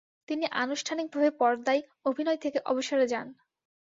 তিনি আনুষ্ঠানিকভাবে পর্দায় অভিনয় থেকে অবসরে যান।